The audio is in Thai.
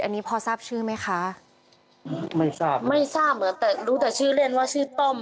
อันนี้พอทราบชื่อไหมคะไม่ทราบไม่ทราบเหรอแต่รู้แต่ชื่อเล่นว่าชื่อต้อม